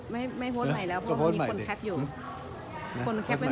ไม่ไม่โฮดใหม่แล้วเพราะว่ามันมีคนแคปอยู่